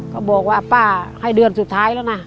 เขาบอกว่าป้าให้เดือนสุดท้ายแล้วนะ